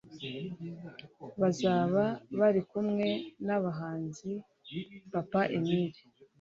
Bazaba bari kumwe n’abahanzi Papa Emile